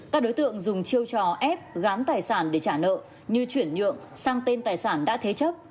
các đối tượng dùng chiêu trò ép gán tài sản để trả nợ như chuyển nhượng sang tên tài sản đã thế chấp